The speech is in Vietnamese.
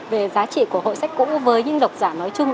về giá trị của hội sách cũ với những độc giả nói chung